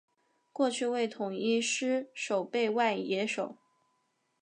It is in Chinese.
过去为统一狮守备外野手。